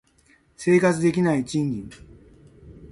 生活できない賃金